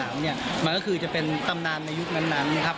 มันก็คือจะเป็นตำนานในยุคนั้นนะครับ